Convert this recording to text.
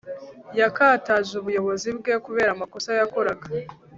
yatakaje ubuyobozi bwe kubera amakosa yakoraga